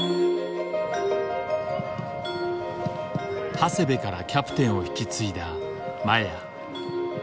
長谷部からキャプテンを引き継いだ麻也。